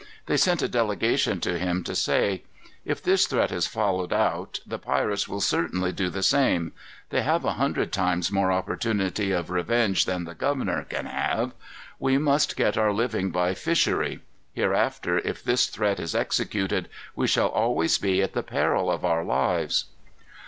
They sent a delegation to him to say: "If this threat is followed out, the pirates will certainly do the same. They have a hundred times more opportunity of revenge than the governor can have. We must get our living by fishery. Hereafter, if this threat is executed, we shall always be at the peril of our lives."